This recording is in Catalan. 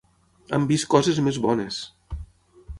Hem vist coses més bones!